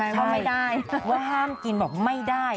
ก็ไม่ได้ว่าห้ามกินบอกไม่ได้